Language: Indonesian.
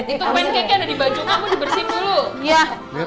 itu pancake yang ada di baju kamu dibersihkan dulu